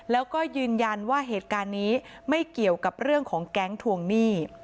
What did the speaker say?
แล้วก็ยืนยันว่าเหตุการณ์นี้ไม่เกี่ยวกับเรื่องของแก๊งทวงหนี้